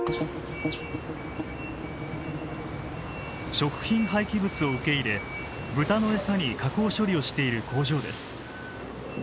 食品廃棄物を受け入れ豚のエサに加工処理をしている工場です。